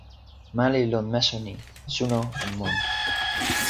ma li lon meso ni: suno en mun.